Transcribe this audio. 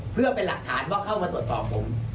เพื่อเป็นหลักฐานว่าเข้ามาตรวจสอบผม